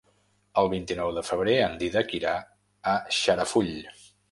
El vint-i-nou de febrer en Dídac irà a Xarafull.